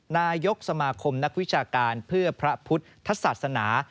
นายกสมาคมนักวิชาการเพื่อพระพุทธศาสนา